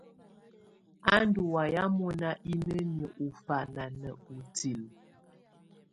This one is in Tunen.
Á ndù wayɛ̀á mɔ̀na inǝ́niǝ́ ù fana nà utilǝ.